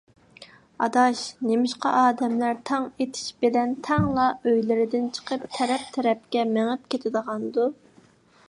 ئاداش، نېمىشقا ئادەملەر تاڭ ئېتىش بىلەن تەڭلا ئۆيلىرىدىن چىقىپ تەرەپ - تەرەپكە مېڭىپ كېتىدىغاندۇ؟